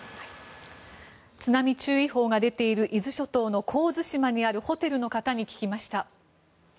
津波注意報が出ている伊豆諸島の神津島にあるホテルの方に聞きました。